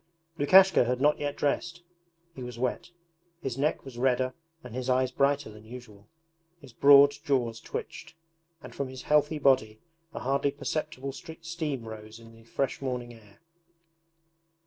Lukashka had not yet dressed. He was wet. His neck was redder and his eyes brighter than usual, his broad jaws twitched, and from his healthy body a hardly perceptible steam rose in the fresh morning air.